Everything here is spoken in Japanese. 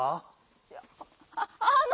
いやああの。